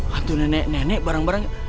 hantu nenek nenek barang barang